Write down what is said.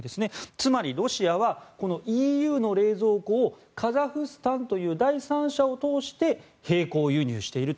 つまり、ロシアはＥＵの冷蔵庫をカザフスタンという第三者を通して並行輸入していると。